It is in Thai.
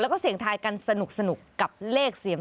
แล้วก็จากเดิมเราเวลาเล็กนี้